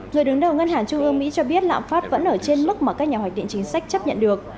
người đứng đầu ngân hàng trung ương mỹ cho biết lạm phát vẫn ở trên mức mà các nhà hoạch định chính sách chấp nhận được